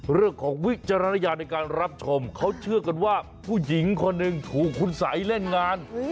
วิจารณญาณในการรับชมเขาเชื่อกันว่าผู้หญิงคนหนึ่งถูกคุณสัยเล่นงาน